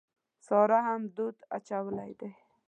سارا هم دود اچولی دی.